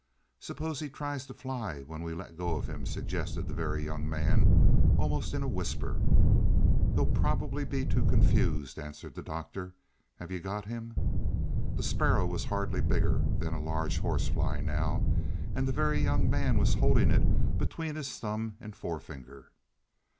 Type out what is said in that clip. "Suppose he tries to fly when we let go of him," suggested the Very Young Man almost in a whisper. "He'll probably be too confused," answered the Doctor. "Have you got him?" The sparrow was hardly bigger than a large horse fly now, and the Very Young Man was holding it between his thumb and forefinger.